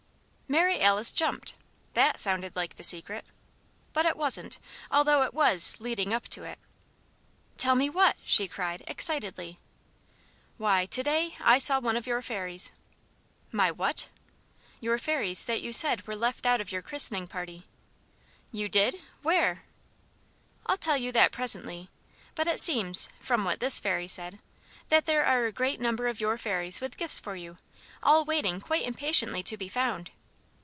Mary Alice jumped; that sounded like the Secret. But it wasn't although it was "leading up to it." "Tell me what?" she cried, excitedly. "Why, to day I saw one of your fairies." "My what?" "Your fairies that you said were left out of your christening party." "You did! Where?" "I'll tell you that presently. But it seems, from what this fairy said, that there are a great number of your fairies with gifts for you, all waiting quite impatiently to be found.